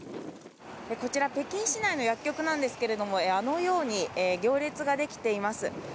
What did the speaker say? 北京市内の薬局なんですけどあのように行列ができています。